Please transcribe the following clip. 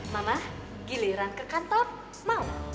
mama giliran ke kantor semau